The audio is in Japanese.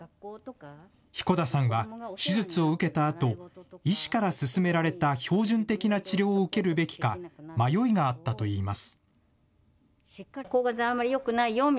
彦田さんは手術を受けたあと、医師から勧められた標準的な治療を受けるべきか、迷いがあったといいます。